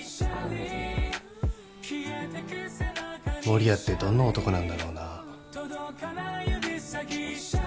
守谷ってどんな男なんだろうな？